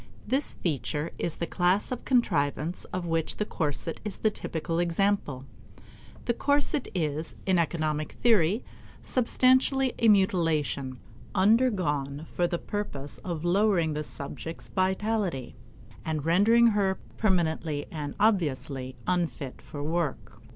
This feature is the class of contrivances of which the corset is the typical example. The corset is, in economic theory, substantially a mutilation, undergone for the purpose of lowering the subject's vitality and rendering her permanently and obviously unfit for work.